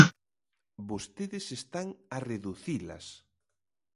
Vostedes están a reducilas.